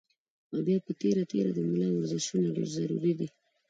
او بيا پۀ تېره تېره د ملا ورزشونه ډېر ضروري دي